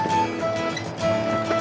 hanya di belakang